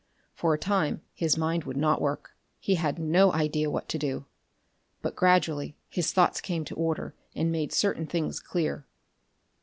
For a time his mind would not work; he had no idea what to do. But gradually his thoughts came to order and made certain things clear.